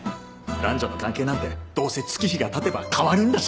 男女の関係なんてどうせ月日が経てば変わるんだし。